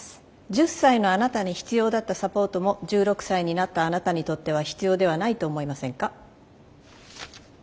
１０歳のあなたに必要だったサポートも１６歳になったあなたにとっては必要ではないと思いませんか？